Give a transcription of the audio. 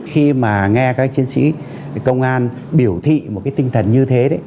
khi mà nghe các chiến sĩ công an biểu thị một cái tinh thần như thế đấy